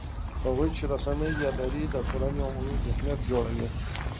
هغوی چې رسنۍ یې لري، د ټولنې عمومي ذهنیت جوړوي